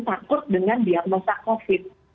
takut dengan diagnosa covid